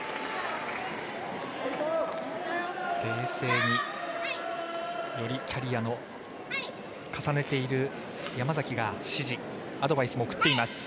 冷静に、よりキャリアを重ねている山崎が指示アドバイスも送っています。